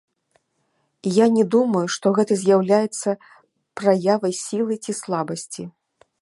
Я не думаю, што гэта з'яўляецца праявай сілы ці слабасці.